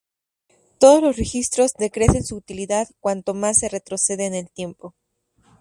Todos los registros decrecen su utilidad cuanto más se retrocede en el tiempo.